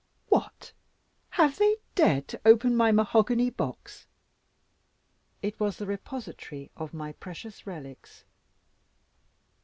"What! have they dared to open my mahogany box?" It was the repository of my precious relics.